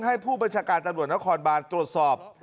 ให้ผู้บัญชาการตำรวจและคอนบาร์ดตรวจสอบ